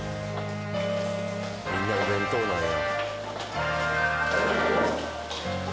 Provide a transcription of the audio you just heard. みんなお弁当なんや。